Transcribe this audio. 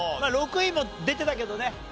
６位も出てないけどね。